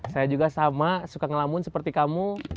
saya juga sama suka ngelamun seperti kamu